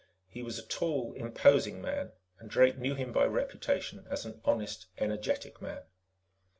He was a tall, imposing man, and Drake knew him by reputation as an honest, energetic man.